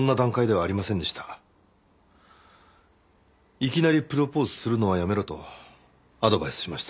いきなりプロポーズするのはやめろとアドバイスしました。